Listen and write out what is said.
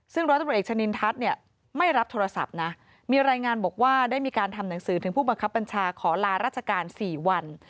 ซึ่งร้อยตำรวจเอกชะนินทัศน์เนี่ยไม่รับโทรศัพท์นะมีรายงานบอกว่าได้มีการทำหนังสือถึงผู้บังคับบัญชาขอลาราชการ๔วัน